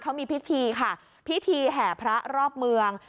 เขามีพิธีค่ะพิธีแห่พระรอบเมือง